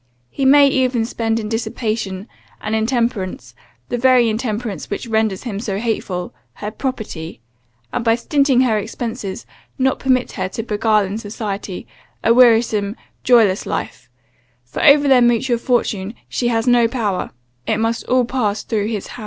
He may even spend in dissipation, and intemperance, the very intemperance which renders him so hateful, her property, and by stinting her expences, not permit her to beguile in society, a wearisome, joyless life; for over their mutual fortune she has no power, it must all pass through his hand.